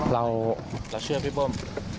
เราเชื่อพี่เบิ้ม